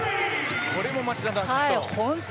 これも町田のアシスト。